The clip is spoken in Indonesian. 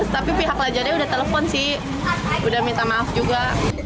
tapi pihak lajarnya udah telepon sih udah minta maaf juga